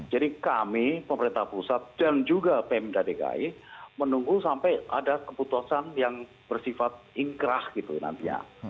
jadi kami pemerintah pusat dan juga pemda dki menunggu sampai ada keputusan yang bersifat ingkrah gitu nantinya